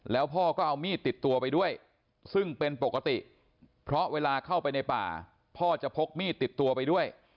แล้วพ่อก็เอามีดติดตัวไปด้วยซึ่งเป็นปกติเพราะเวลาเข้าไปในป่าพ่อจะพกมีดติดตัวไปด้วย